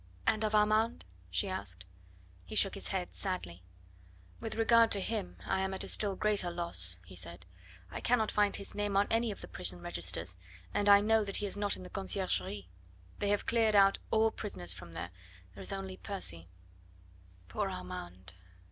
"And of Armand?" she asked. He shook his head sadly. "With regard to him I am at a still greater loss," he said: "I cannot find his name on any of the prison registers, and I know that he is not in the Conciergerie. They have cleared out all the prisoners from there; there is only Percy " "Poor Armand!"